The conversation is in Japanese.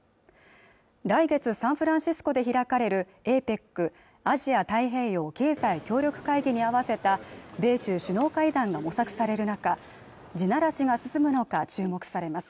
来月サンフランシスコで開かれるＡＰＥＣ＝アジア太平洋経済協力会議に合わせた米中首脳会談の模索される中地ならしが進むのか注目されます